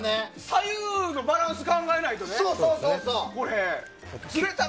左右のバランス考えないとね。